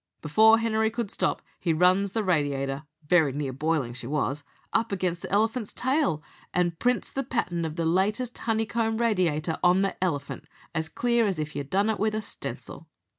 Before Henery could stop, he runs the radiator very near boiling she was up against the elephant's tail, and prints the pattern of the latest honeycomb radiator on the elephant as clear as if you done it with a stencil.